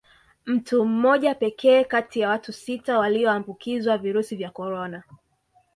Mtu mmoja pekee kati ya watu sita walioambukizwa virusi vya Corona